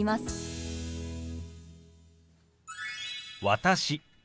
「私」